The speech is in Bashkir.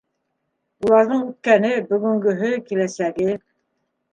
Уларҙың үткәне, бөгөнгөһө, киләсәге.